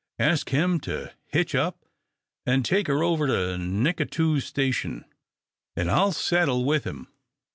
Ask him to hitch up an' take her over to Nicatoos station, an' I'll settle with him.